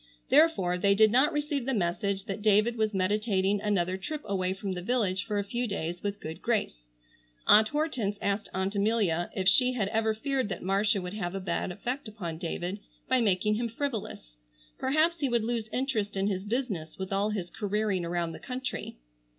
Therefore they did not receive the message that David was meditating another trip away from the village for a few days with good grace. Aunt Hortense asked Aunt Amelia if she had ever feared that Marcia would have a bad effect upon David by making him frivolous. Perhaps he would lose interest in his business with all his careering around the country.